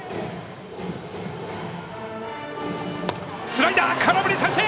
スライダー、空振り三振！